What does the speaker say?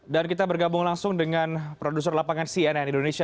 dan kita bergabung langsung dengan produser lapangan cnn indonesia